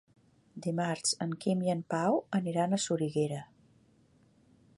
Dimarts en Quim i en Pau aniran a Soriguera.